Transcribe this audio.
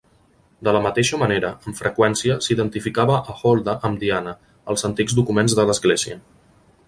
De la mateixa manera, amb freqüència s"identificava a Holda amb Diana, als antics documents de l"església.